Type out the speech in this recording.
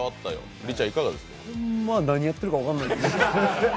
何やってるか分かんないですね。